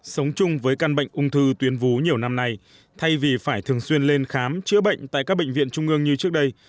sống chung với căn bệnh ung thư tuyến vú nhiều năm nay thay vì phải thường xuyên lên khám chữa bệnh tại các bệnh viện trung ương như trước đây